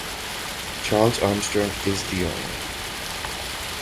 Charles Armstrong is the owner.